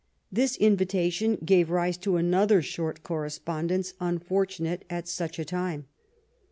This inritation gave rise to another short correspondence^ unfortunate at such a time.